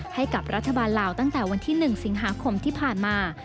ให้กับรัฐบาลลาวตั้งแต่วันที่๑สิงหาคมที่ผ่านมา